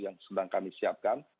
yang sedang kami siapkan